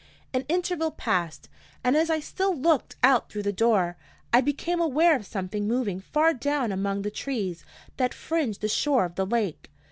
An interval passed, and as I still looked out through the door, I became aware of something moving far down among the trees that fringed the shore of the lake.